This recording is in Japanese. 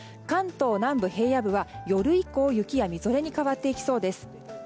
関東南部、平野部は夜以降、雪やみぞれに変わっていきそうです。